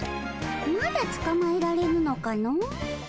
まだつかまえられぬのかの。